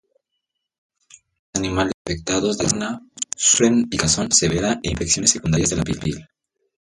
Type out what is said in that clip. Los animales infectados de sarna sufren picazón severa e infecciones secundarias de la piel.